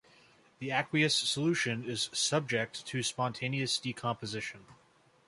The aqueous solution is subject to spontaneous decomposition.